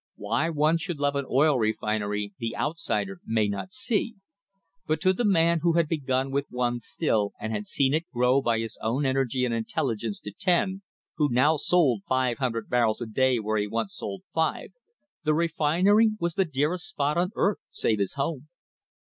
Why one should love an oil refinery the outsider may not see ; but to the man who had begun with one still and had seen it grow by his own energy and intelli gence to ten, who now sold 500 barrels a day where he once sold five, the refinery was the dearest spot on earth save his home.